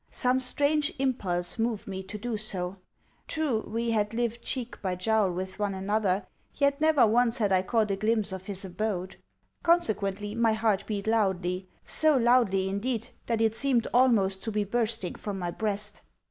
Some strange impulse moved me to do so. True, we had lived cheek by jowl with one another; yet never once had I caught a glimpse of his abode. Consequently my heart beat loudly so loudly, indeed, that it seemed almost to be bursting from my breast.